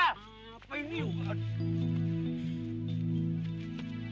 apa ini aduh